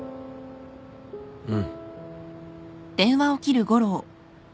うん。